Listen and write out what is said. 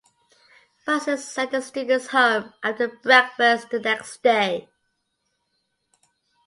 Busses sent the students home after breakfast the next day.